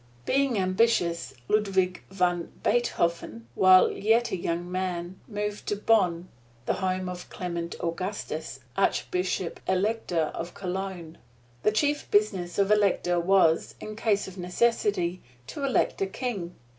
Being ambitious, Ludvig van Biethofen, while yet a young man, moved to Bonn, the home of Clement Augustus, Archbishop Elector of Cologne. The chief business of elector was, in case of necessity, to elect a King.